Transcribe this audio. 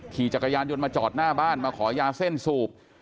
ขี่จักรยานยนต์มาจอดหน้าบ้านมาขอยาเส้นสูบ